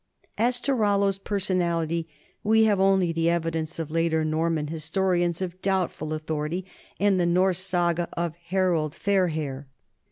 As to Rollo's personality, we have only the evidence of later Norman historians of doubtful authority and the Norse saga of Harold Fairhair.